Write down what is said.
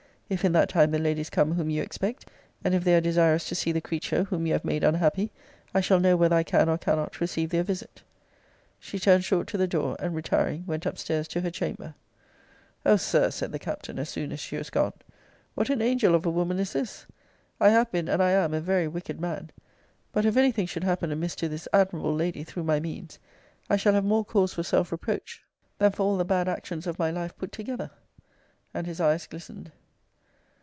If in that time the ladies come whom you expect, and if they are desirous to see the creature whom you have made unhappy, I shall know whether I can or cannot receive their visit. She turned short to the door, and, retiring, went up stairs to her chamber. O Sir, said the Captain, as soon as she was gone, what an angel of a woman is this! I have been, and I am a very wicked man. But if any thing should happen amiss to this admirable lady, through my means, I shall have more cause for self reproach than for all the bad actions of my life put together. And his eyes glistened.